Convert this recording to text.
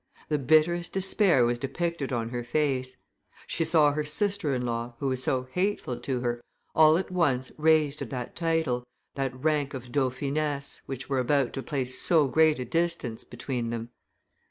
The bitterest despair was depicted on her face. She saw her sister in law, who was so hateful to her, all at once raised to that title, that rank of dauphiness, which were about to place so great a distance between them.